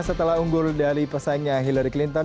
setelah unggul dari pesaingnya hillary clinton